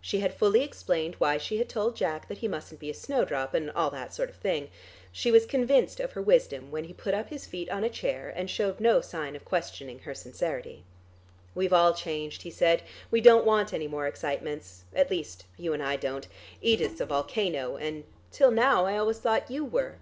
She had fully explained why she had told Jack that he mustn't be a snowdrop, and all that sort of thing. She was convinced of her wisdom when he put up his feet on a chair, and showed no sign of questioning her sincerity. "We've all changed," he said. "We don't want any more excitements. At least you and I don't. Edith's a volcano, and till now, I always thought you were."